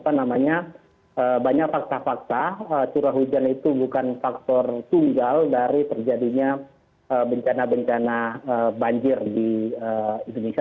karena apa namanya banyak fakta fakta curah hujan itu bukan faktor tunggal dari terjadinya bencana bencana banjir di indonesia